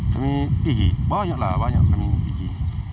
kami pergi banyak lah banyak kami pergi